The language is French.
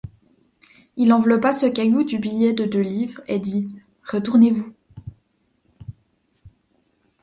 Il enveloppa ce caillou du billet de dix livres, et dit :— Retournez-vous.